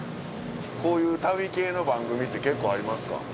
こういう旅系の番組って結構ありますか？